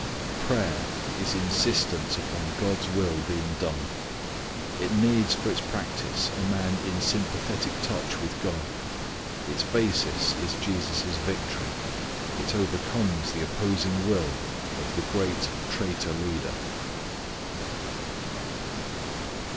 Prayer is insistence upon God's will being done. It needs for its practice a man in sympathetic touch with God. Its basis is Jesus' victory. It overcomes the opposing will of the great traitor leader.